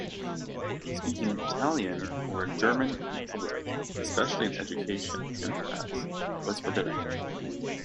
Speaking Talian or German in public, especially in education and press, was forbidden.